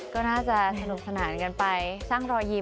ก็น่าจะสนุกสนานกันไปสร้างรอยยิ้ม